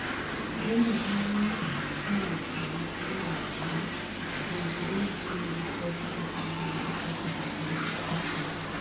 Tuono hinyo mako nyithindo ahinya, kendo dendgi nigi teko matin mar kedo gi tuono.